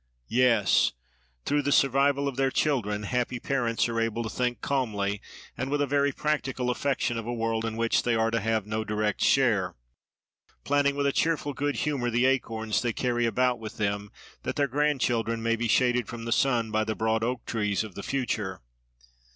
Yes! through the survival of their children, happy parents are able to think calmly, and with a very practical affection, of a world in which they are to have no direct share; planting with a cheerful good humour, the acorns they carry about with them, that their grand children may be shaded from the sun by the broad oak trees of the future.